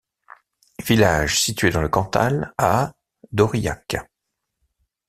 Village situé dans le Cantal à d'Aurillac.